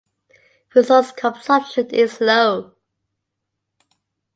Resource consumption is low.